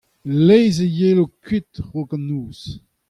E-leizh a yelo kuit a-raok an noz.